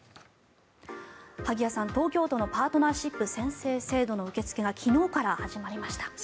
萩谷さん、東京都のパートナーシップ宣誓制度の受け付けが昨日から始まりました。